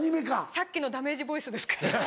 さっきのダメージボイスですかね。